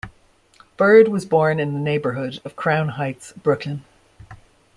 Byrd was born in the neighborhood of Crown Heights, Brooklyn.